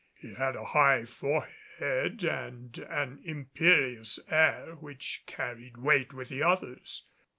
He had a high forehead and an imperious air which carried weight with the others.